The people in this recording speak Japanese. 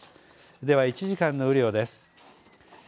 では１時間の雨量です。